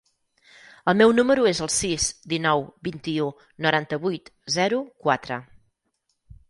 El meu número es el sis, dinou, vint-i-u, noranta-vuit, zero, quatre.